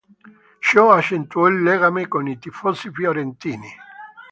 Ciò accentuò il legame con i tifosi fiorentini.